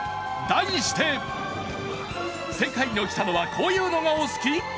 題して世界のキタノはこういうのがお好き？